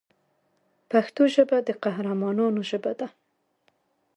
پښتو ژبه د قهرمانانو ژبه ده.